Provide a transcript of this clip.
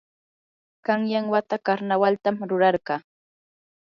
qanyan wata karnawaltam rurarqaa.